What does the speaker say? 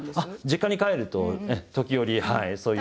実家に帰ると時折。